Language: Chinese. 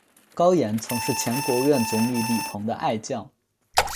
高严曾是前国务院总理李鹏的爱将。